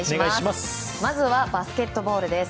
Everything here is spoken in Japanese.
まずはバスケットボールです。